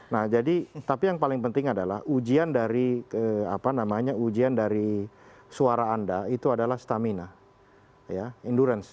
nah jadi tapi yang paling penting adalah ujian dari suara anda itu adalah stamina endurance